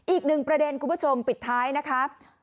อีกหนึ่งประเด็นคุณผู้ชมปิดท้ายนะคะ